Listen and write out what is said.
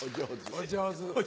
お上手。